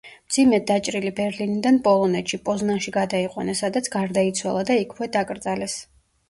მძიმედ დაჭრილი ბერლინიდან პოლონეთში, პოზნანში გადაიყვანეს, სადაც გარდაიცვალა და იქვე დაკრძალეს.